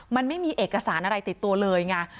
มันไม่มีเอกสารอะไรติดตัวเลยไง